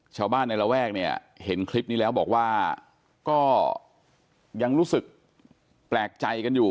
ชาวบ้านในระแวกเนี่ยเห็นคลิปนี้แล้วบอกว่าก็ยังรู้สึกแปลกใจกันอยู่